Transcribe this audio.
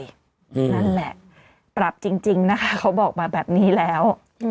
นั่นแหละปรับจริงนะคะเขาบอกมาแบบนี้แล้ว